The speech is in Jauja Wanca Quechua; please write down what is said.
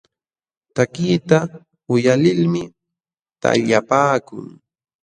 Takiqta uyalilmi taqllapaakun.